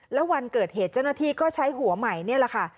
แล้ววันเกิดเหตุเจ้าหน้าที่ก็ใช้หัวใหม่นี่แหละค่ะ